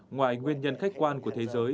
ngoài nguyên nhân khách quan của thế giới